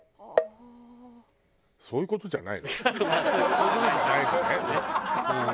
そういう事じゃないのねうん。